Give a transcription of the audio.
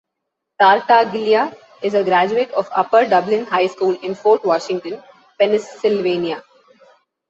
Tartaglia is a graduate of Upper Dublin High School in Fort Washington, Pennsylvania.